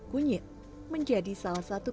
kunyit menjadi salah satu